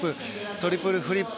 トリプルフリップ。